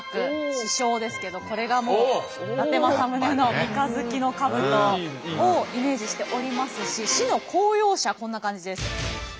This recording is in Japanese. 市章ですけどこれがもう伊達政宗の三日月のかぶとをイメージしておりますし市の公用車こんな感じです。